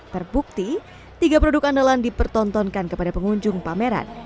terbukti tiga produk andalan dipertontonkan kepada pengunjung pameran